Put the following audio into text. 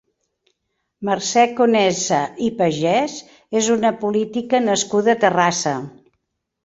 Mercè Conesa i Pagès és una política nascuda a Terrassa.